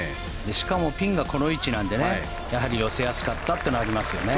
しかも、ピンがこの位置なので寄せやすかったというのはありますよね。